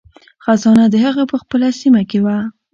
خزانه د هغه په خپله سیمه کې وه.